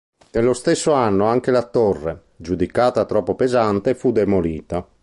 Nello stesso anno anche la torre, giudicata troppo pesante, fu demolita.